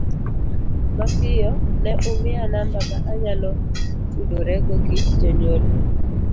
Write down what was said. Mapiyo, ne omiya namba ma anyalo tudorego gi jonyuolna.